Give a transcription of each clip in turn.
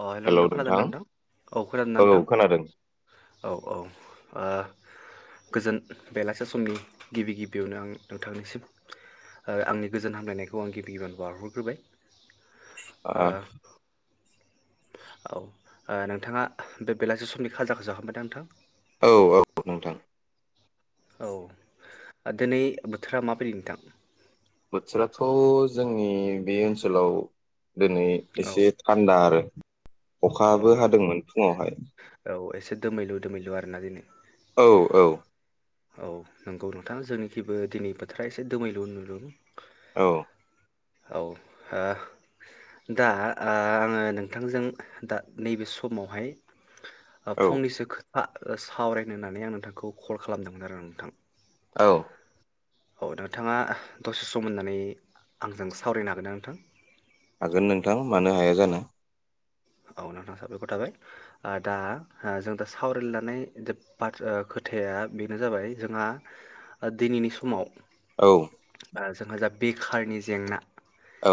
अ हेल नोंथां खोनादोंना नोंथां औ खोनादोंना नोंथां औ औ ओ गोजोन बेलासि समनि गिबि गिबियावनो आं नोंथांनिसिम ओ आंनि गोजोन हामलायनायखौ आं गिबि गिबियावनो बारहरग्रोबाय। आ औ ओ नोंथाङा बे बेलासि समनि खाजाखौ जाखांबाय ना नोंथां? औ औ नोंथां। औ दिनै बोथोरा माबायदि नोंथां? बोथोराथ' जोंनि बे ओनसोलाव दिनै औ एसे थान्दा आरो औ अखाबो हादोंमोन फुङावहाय औ एसे दोमैलु दोमैलु आरोना दिनै औ औ औ नंगौ नोंथां जोंनिखिबो दिनै बोथोरा एसे दोमैलु लु। औ औ ओ दा ओ आङो नोंथांजों दा नैबे समावहाय ओ औ फंनैसो खो आ ओ सावरायनो होन्नानै आं नोंथांखौ कल खालामदोंमोन आरो नोंथां। औ औ नोंथाङा दसे सम होननानै आंजों सावरायनो हागोन ना नोंथां? जागोन। औ नोंथां साबायखर थाबाय ओ दा जों दा सावराय लायनानै बाथ्रा खोथाया बेनो जाबाय जोंहा दिनैनि समाव औ। जोंहा जा बेखारनि जेंना औ।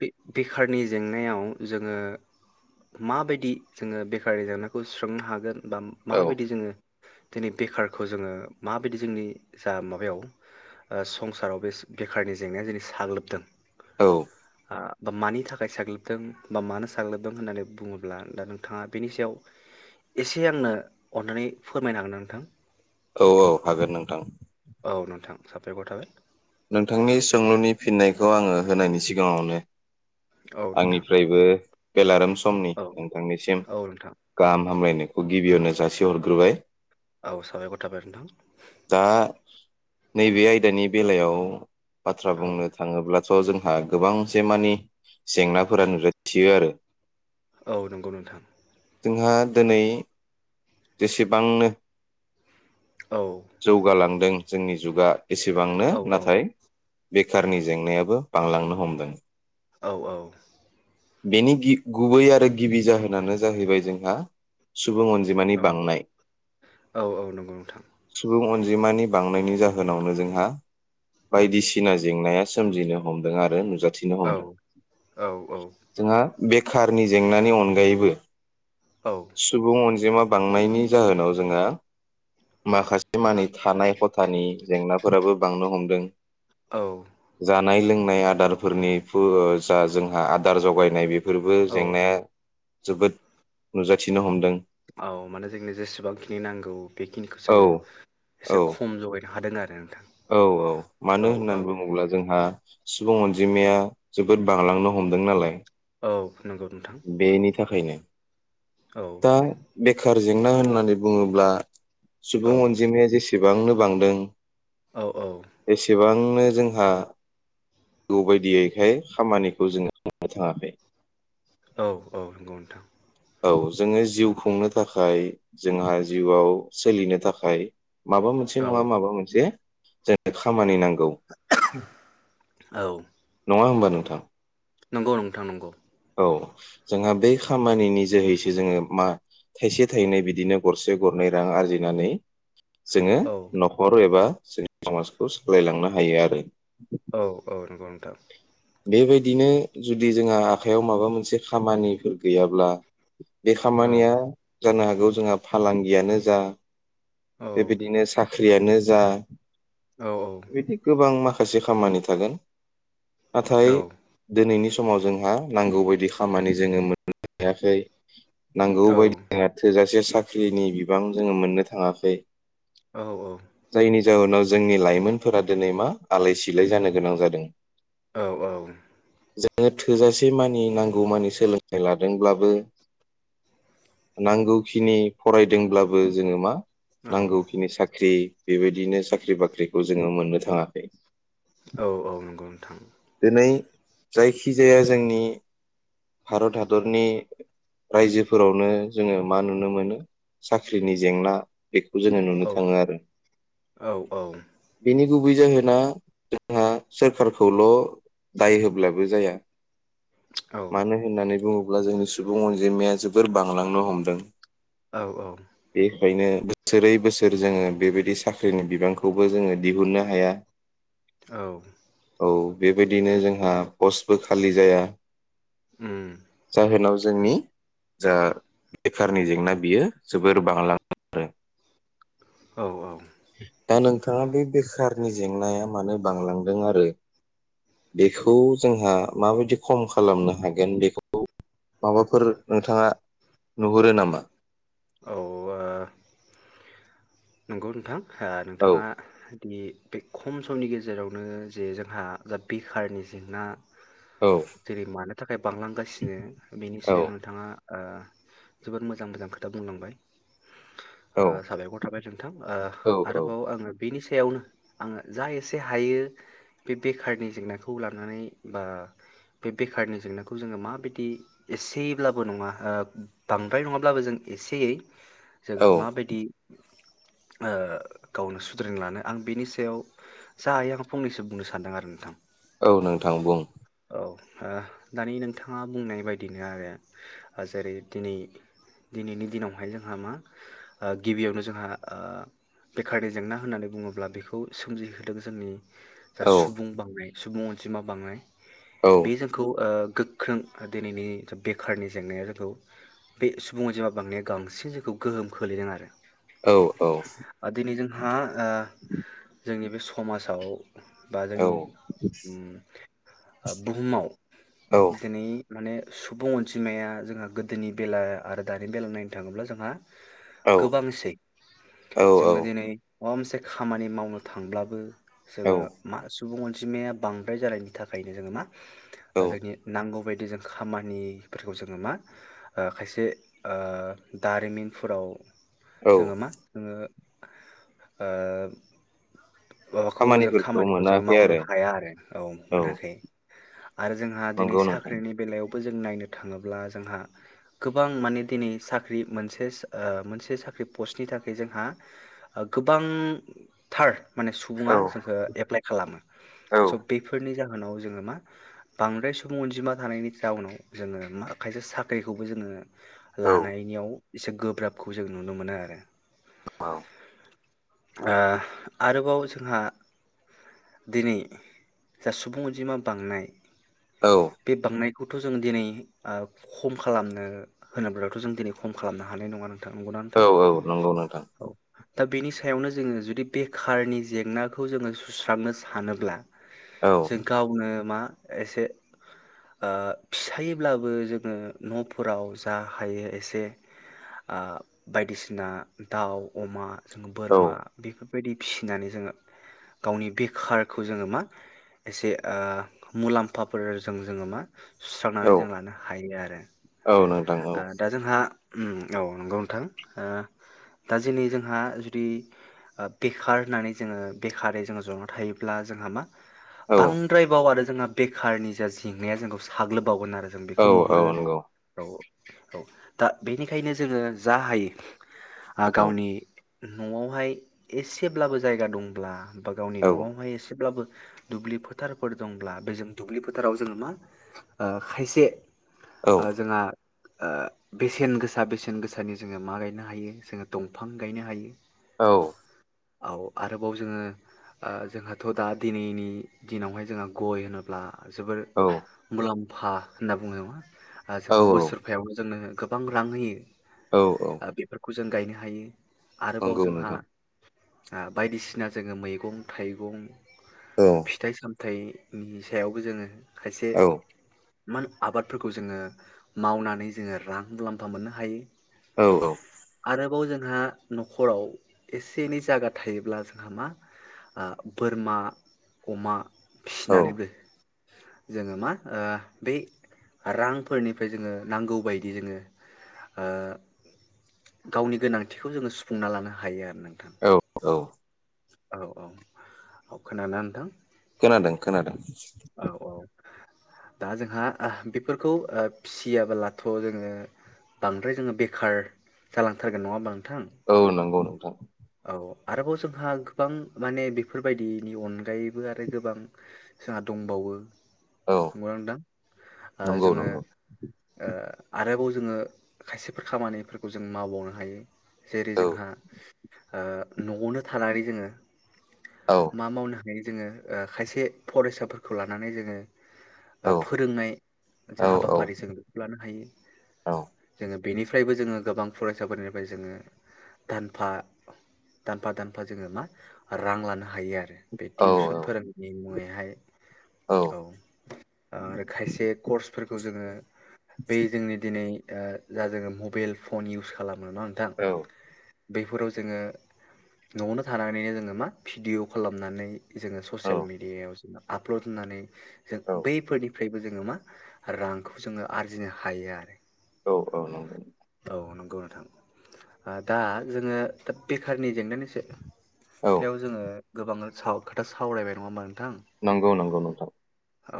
बे बेखारनि जेंनायाव जोङो माबायदि जोङो बेखारारि जेंनायखौ सुस्रांनो हागोन। एबा औ माबायदि जोङो दिनै बेखारखौ जोङो माबायदि जोंनि जा माबायाव ओ संसाराव बे बेखारनि जेंनाया दिनै साग्लोबदों। औ। आ मानि थाखाय साग्लोबदों बा मानो साग्लोबदों होननानै बुङोब्ला दा नोंथाङा बेनि सायाव एसे आंनो अन्नानै फोरमायनो हागोन ना नोंथां? औ औ हागोन नोंथां। औ नोंथां साबायखर थाबाय नोंथांनि सोंलुनि फिननायखौ आङो होनायनि सिगाङावनो औ नोंथां आंनिफ्रायबो बेलारोम सम समनि औ नोंथांनिसिम औ नोंथां गाहाम हामलायनायखौ गिबियावनो जासिहरग्रोबाय। औ साबायखर थाबाय नोंथां। दा नैबे आयदानि बेलायाव औ। बाथ्रा औ बुंनो थाङोब्ला थ जोंहा गोबां जेंनानि जेंनाफोरा नुजाथियो आरो। औ नंगौ नोंथां। जोंहा दिनै जेसेबांनो औ जौगालांदों जोंनि जुगा एसेबांनो औ औ नाथाय बेखारनि जेंनायाबो बांलांनो हमदों औ औ बेनि गि गुबै आरो गिबि जाहोनानो जाहैबाय जोंहा सुबुं अनजिमानि औ बांनाय औ औ नंगौ नोंथां निमानि बांनायनि जाहोनावनो जोंहा बायदिसिना जेंनाया सोमजिनो हमदों आरो नुज -' थिनो औ हमदों औ जोंहा बेखारारनि जेंनानि अनगायैबो औ सुबुं आनजिमा जिमा बांनायनि जाहोनाव जोंहा माखासे मानि थानाय खथानि जेंनाफोराबो बांनो हमदों। औ नाय-लोंनाय आदारफोरनि फुर जा जोंहा आदार जगायनाय बे फोरबो औ जेंनाया जोबोद नुजाथिनो हमदों। औ माने जोंनो जेसेबांखिनि नांगौ बेखिनिखौ औ जोङो एसे औ खम जगायनो हादों आरो नोंथां औ औ मानो औ होननानै औ। बुङोब्ला जोंहा सुबुं अनजिमाया जोबोद बारलांनो हमदों नालाय औ नोंगौ नोंथां। नि थाखायनो औ दा बेखार जेंना होननानै बुङोब्ला औ सुबुं अनजिमाया जेसे सेबांनो बांदों औ एसेबां नो जोंहा नांगौ बायदियैखाय खामानिखौ जोङो मावनो थाङाखै औ औ नंगौ नोंथां। औ जोङो जिउ खुंनो थाखाय जोंहा जिउआव सोलिनो थाखाय माबा मोनसे औ नङा माबा मोनसे जोंनो खामानि नां औ नङा होमबा नोंथां? नंगौ नोंथां नंगौ। औ जोंहा बै खामानिनि जोहैसो जोङो मा थाइसे थाइनै बिदिनो गरसे गरनै रां आरजिनानै जोङो औ न'खर एबा जोंनि समाजखौ सालायलांनो हायो आरो। औ औ नंगौ नों थां बेबायदिनो जुदि जोंहा आखाइयाव माबा मोनसे खामानिफोर गैयाब्ला बे औ खामानिया जानो हाग गौ जोंहा फालांगियानो जा औ बेबायदिनो साख्रियानो जा औ बिदि गोबां माख माखासे खामानि थागोन। नाथाय दिनैनि स समाव जोंहा नांगौ बायदि खामानि जोङो मोननो हायाखै। नांगौ औ बायदिना थोजासे साख्रिनि बिबां जोङो मोननो थाङाखै। जायनि जाहोनाव जोंनि लाइमोनफोरा दिनै मा आलाय सिलाय जानो गोनां जादों। औ औ। जोङो थोजासे मानि नांगौ मानि सोलोंथाइ लादोंब्लाबो नांगौखिनि फरायदोंब्लाबो जोङो मा औ नांगौखिनि साख्रि बेबायदिनो साख्रि बाख्रिखौ जोङो मोननो थाङाखै। औ औ नं दिनै जायखिजाया जोंनि भारत हादरनि रायजोफोरावनो जोङो मा नुनो मोनो साख्रिनि जेंना। बेखौ जोङो नुनो औ थाङो आरो औ औ बेनि गुबै जाहोना जोंहा सो सोरखौल' दाय होब्लाबो जाया औ मानो होननानै बुङो अब्ला जोंनि सुबुं अनजिमाया जोबोर बांलांनो हमदों। औ औ ओंखायनो बोसोरै बोसोर जोङो बेबायदि साख्रिनि बिबांखौबो जोङो दिहुननो हाया। औ औ बेबायदिनो जोंहा पस्टबो खालि जाया। उम [inaudible] जाहोनाव जोंनि जा बेखारनि जेंना बियो जोबोर बांलाङो आरो। औ औ दा नोंथाङा बे बेखारनि जेंनाया मानो बांलां दोंआरो बेखौ जोंहा माबायदि खम खालामनो हागोन बेखौ माबाफोर नोंथाङा नुहुरो नामा? औ ओ नंगौ नोंथां ओ औ नोंथाङादि बे खम समनि गेजेरावनो जे जोंहा दा बेखारनि जेंना, औ जेरै मानो थाखाय बांलांगासिनो बेनि औ सायाव नोंथाङा, ओ जोबोद मोजां मोजां खोथा बुंलांबाय, ओ औ साबायखर, थाबाय नोंथां ओ औ आरोबाव आङो बेनिस, सयावनो आङो जा एसे हायो बे बेखारनि जेंनाखौ लानानै बा बे बेखारनि जेंनाखौ जोङो माबायदि एसेयैब्लाबो नङा बांद्राय नङाब्लाबो जों एसेयै, जोङो औ माबायदि ओ गावनो सुद्रनो लानो आं बिनि सायाव जायो आं फंनैसो बुंनो सानदों आरो नोंथां। औ नोंथां बुं। औ ओ दानि नोंथाङा बुंनाय बायदिनो आरो जेरै दिनै दिनैनि दिनावहाय जोंहा मा ओ गिबियावनो जोंहा ओ बेखारनि जेंना होननानै बुङोब्ला बेखौ सोमजिहोदों जोंनि जा औ सुबुं बांनाय सुबुं अन जिमा बांनाय औ बे जोंखौ ओ गोग गोख्रों दिनैनि बेखारनि जेंनाया जोंखौ बे सुबनि जेमा बांनाया बांसिन जोंखौ गोहोम खोलैदों आरो। औ औ। हा ओ जोंनि बे समाजाव बा औ जोंनि उम ओ बुहुमाव औ दिनै माने सुबुं अनजिमाया जोंहा गोदोनि बेला आरो दानि बेलायाव नायनो थाङोब्ला जोंहा। औ गोबांसै औ जोङो दिनै। माबा मोनसे खामानि मावनो थांब्लाबो औ जोङो मा सुबुं अजिमाया बांद्राय जानायनि थाखायनो जोङो मा जोंनि नांगौ बायद बिदि जों खामानिफोरखौ जोङो मा खायसे ओ दारिमिनफोराव औ जोङो मा ओ ओ। माबाखौ जों खामानिफोरखौ खामानिखौ जों मोनाखै मावनो आरो हाया आरो औ मोनाखै आरो जोंहा दिनै नंगौ नोंथां साख्रिनि बेलायाव जों नायनो थाङोब्ला जोंहा गोबां माने दिनै साख्रि मोनसे मोनसे मोनसे साख्रि पस्टनि थाखाय जोंहा गोबांथार माने सुबुङा औ जोंखौ एप्लाइ खालामो औ स' बेफोरनि ज जाउनाव जोङो मा बांद्राय सुबुं अनजिमा थानायनि जाउनाव जोङो मा खायसे साख्रिखौबो जोङो औ लानायनिाव एसे गोब्राबखौ जों नुनो मोनो आरो। औ। आ रोबाव जोंहा दिनै जा सुबुं अनजिमा बांनाय औ बे बांनाय बेखौथ' जों दिनै आ खम खालामनो होनोब्लाथ' जों दिनै खम खालामनो हानाय नङा नों औ औ नंगौ नोंथां। दा बेनि सा यावनो जोङो जुदि बेखारनि जेंनाखौ जोङो सुस्रांनो सानोब्ला औ जों गावनो मा? एसे ओ फिसायैब्लाबो जोङो न'फोराव जा हायो एसे आ बायदिसिना दाउ, अमा औ बोरमा बेफोर बेबायदि फिसिनानै जोङो गावनि बेखारखौ जोङो मा एसे ओ मुलाम्फाफोरजों जोङो मा? सुस्रांनानै औ जों लानो हायो आरो। औ नोंथां ओ औ दा जोंहा उम औ नंगौ नोंथां ओ दा दिनै जोंहा जुदि बेखार होननानै जोङो बेखारै जोङो ज'नानै थायोब्ला जोंहा मा? औ बांद्राय बाव आरो जोंना बेखारनि जा जेंनाया जोंखौ साग्लोब बावगोन आरो जों औ बेखौ औ नुहुरो नंगौ औ औ। दा बेनिखायनो जोङो जा हायो आ औ गावनि न'आवहाय एसेब्लाबो जायगा दंब्ला बा गावनि औ न'आवहाय एसेब्लाबो दुब्लि फोथारफोर दंब्ला बे जों दुब्लि फोथाराव जोङो मा? ओ खायसे औ ओ जोंहा ओ बेसेन गोसा बेसेन गोसानि जोङो मा गायनो हायो? जोङो दंफां गायनो हायो। औ। औ आरोबाव जोङो ओ जोंहाथ' दा दिनैनि दिनावहाय जोंहा गय होनोब्ला जोबोर औ मुलाम फा होनना बुङो नङा ओ औ जोङो बोसोरफायावनो जोंनो गोबां रां होयो। औ औ आ बेफोरखौ खौ जों गायनो हायो। आरोबाव नंगौ जोंहा नोंथां आ बायदिसिना जोङो मैगं थाइगं औ फिथाइ साम थाइनि सायावबो जोङो खायसे औ मान आबादफोरखौ जोङो मावनानै जोङो रां मुलाम्फा मोननो हायो। औ औ -बाव जोंहा न'खराव एसे एनै जायगा थायोब्ला जोंहा मा बोरमा अमा औ फिसिनानैबो जोङो मा ओ बै रांफोरनिफ्राय जोङो नांगौ बायदि जोङो गावनि गोनांथिखौ जोङो सु फुंना लानो हायो। आरो नोंथां औ औ औ औ औ खोनादोना नोंथां। खोनादों खोनादों औ औ दा जोंहा बेफोरखौ ओ फिसियाब्लाथ' जोङो बांद्राय जोङो बेखार जालांथारगोन नङा होमबा नों- औ नंगौ नंगौ औ औ आरोबाव जोंहा गोबां माने बेफोरबायदिनि अनगायैबो आरो गोबां जोंहा दंबावो। औ नंगौ ना नोंथां? ओ नंगौ जोङो नंगौ ओ आरोबाव जोङो खायसेफोर खामानिफोरखौ जों मावबावनो हायो। जेरै औ जोंहा ओ न'आवनो थानानै जोङो औ मा मावनो हायो। जोङो ओ खायसे फरायसाफोरखौ लानानै जोङो। औ फोफोरोंनाय औ जा औ हाबाफारि जों बेखौ लानो हायो। औ जोङो बेनिफ्रायबो जोङो गोबां फरायसाफोरनिफ्राय जोङो दानफा दानफा दानफा जोङो मा रां लानो हायो। हायो आरो बे औ टिउसन फोरोंनायनि [unintelligible] बेहाय औ आरो खायसे कर्सफोरखौ जोङो बे जोंनि दिनै ओ जा जोङो मबाइल फन इउस खालामो [unintelligible] नोंथां बेफोराव जोङो न'आवनो थानानैनो जोङो मा भिडिय' खालामनानै जोङो औ ससियेल म मिडियायाव आप्लथहोनानै जों बैफोरनि फ्रायबो जोङो मा रांखौ जोङो आरजिनो हायो आरो औ औ नंगौ औ नंगौ नोंथां दा जोङो दा बेखारनि जेंनायानिसाया थायाव जोङो गोबां साव खोथा सावरायबाय नङाहोमबा नोंथां। नंगौ नंगौ नोंथां। औ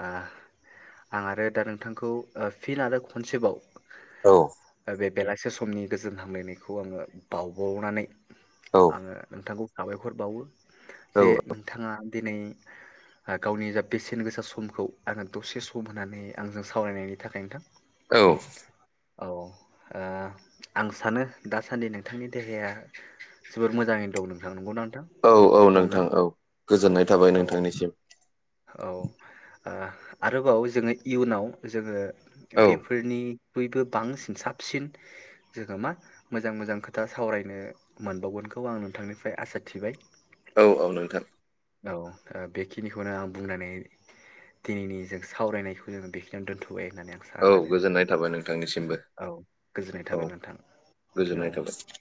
आं आरो दा नोंथांखौ फिन आरो खनसेबाव औ। ओ बे बेलासे समनि गोजोन हामलायनायखौ आङो बावबावनानै औ आङो नोंथांखौ साबायखर बावो। औ जे नोंथाङा दिनै गावनि जा बेसेन गोसा समखौ आङो दसे सम होननानै आंजों सावरायनायनि थाखाय नोंथां औ औ ओ आं सानो दासान्दि नोंथांनि देहाया जोबद मोजाङैनो दं नोंथां नंगौना? नोंथां औ औ दंना नोंथां औ गोजोननाय थाबाय औ नोंथांनिसिम। औ आरोबाव जोङो इयुनाव जोङो औ बेफोरनि बयबो बांसिन साबसिन जोङो मा मोजां मोजां खोथा सावरायनो मोनबावगोनखौ आं नोंथांनिफ्राय आसा थिबाय। औ औ नोंथां। औ बेखिनिखौनो आं बुंलनानै दिनैनि जों सावरायनायखौ जोङो बेखिनियावनो दोन्थ' औ गोजोननाय थाबाय नोंथांनिसिमबो औ गोजोननाय औ थाबाय नोंथां गोजोननाय औ थाबाय।